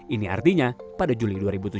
ini artinya pada juli dua ribu tujuh belas